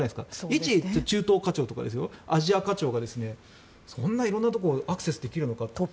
一中東課長とかアジア課長がそんな色んなところにアクセスできるのかと。